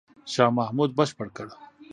شاه محمود بشپړ کړ.